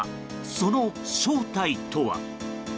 その正体とは。